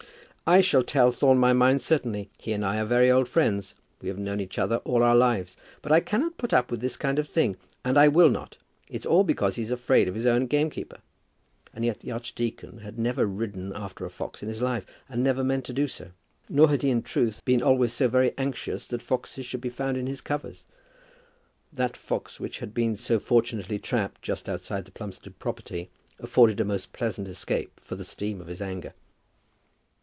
"I shall tell Thorne my mind, certainly. He and I are very old friends; we have known each other all our lives; but I cannot put up with this kind of thing, and I will not. It's all because he's afraid of his own gamekeeper." And yet the archdeacon had never ridden after a fox in his life, and never meant to do so. Nor had he in truth been always so very anxious that foxes should be found in his covers. That fox which had been so fortunately trapped just outside the Plumstead property afforded a most pleasant escape for the steam of his anger.